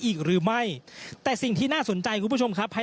อีกหรือไม่แต่สิ่งที่น่าสนใจคุณผู้ชมครับ